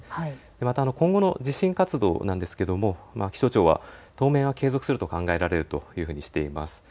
また今後の地震活動なんですが気象庁は当面は継続すると考えられるとしています。